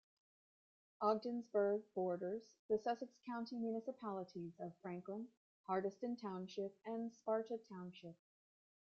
Ogdensburg borders the Sussex County municipalities of Franklin, Hardyston Township and Sparta Township.